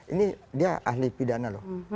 ini dia ahli pidana